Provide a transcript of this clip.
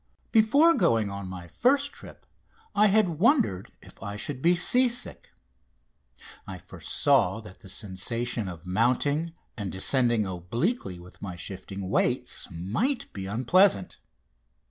Before going on my first trip I had wondered if I should be sea sick. I foresaw that the sensation of mounting and descending obliquely with my shifting weights might be unpleasant.